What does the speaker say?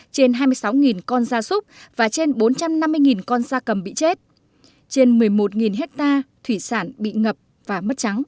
trên hai mươi sáu con da súc và trên bốn trăm năm mươi con da cầm bị chết trên một mươi một hectare thủy sản bị ngập và mất trắng